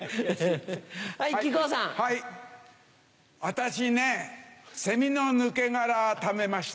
私ねセミの抜け殻ためました。